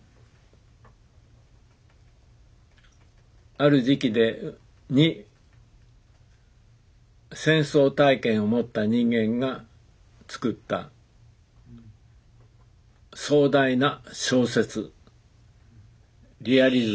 ある時期に戦争体験を持った人間がつくった壮大な小説。